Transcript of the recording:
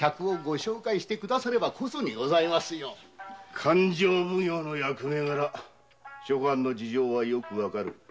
勘定奉行の役目がら諸藩の事情はよく分かる。